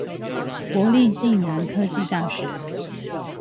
國立暨南國際大學